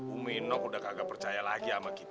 umi nok udah kagak percaya lagi sama kita